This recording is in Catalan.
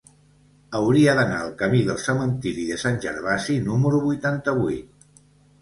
Hauria d'anar al camí del Cementiri de Sant Gervasi número vuitanta-vuit.